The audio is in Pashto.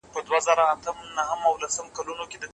تاسي په پښتو ليکلو کي ډېر احتیاط کوئ